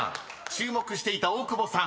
注目していた大久保さん